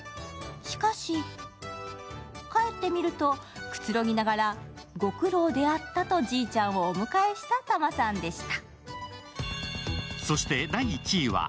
しかし帰ってみると、くつろぎながら「ご苦労であった」とじいちゃんをお迎えしたタマさんでした。